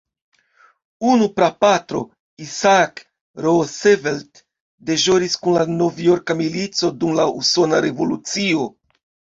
Unu prapatro, Isaac Roosevelt, deĵoris kun la novjorka milico dum la Usona Revolucio.